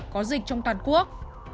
có dịch trong toàn quốc